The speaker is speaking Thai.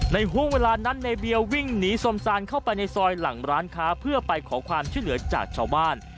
ห่วงเวลานั้นในเบียวิ่งหนีสมซานเข้าไปในซอยหลังร้านค้าเพื่อไปขอความช่วยเหลือจากชาวบ้าน